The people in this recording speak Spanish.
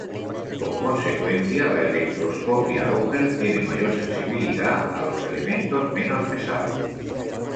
Como consecuencia, la espectroscopia Auger tiene mayor sensibilidad a los elementos menos pesados.